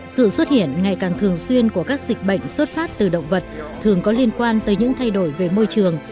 sự xuất hiện ngày càng thường xuyên của các dịch bệnh xuất phát từ động vật thường có liên quan tới những thay đổi về môi trường